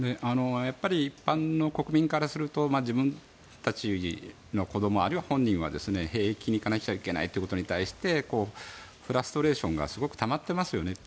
一般の国民からすると自分たちの子どもあるいは本人は兵役に行かなくちゃいけないということに対してフラストレーションがすごくたまってますよね。